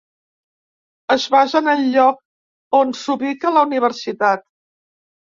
Es basa en el lloc on s'ubica la universitat.